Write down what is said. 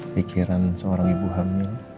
pikiran seorang ibu hamil